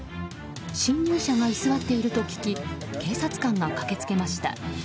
侵入者が居座っていると聞き警察官が駆けつけました。